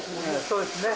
そうですね。